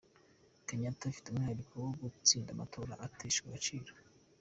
Kenyatta afite umwihariko wo gutsinda amatora agateshwa agaciro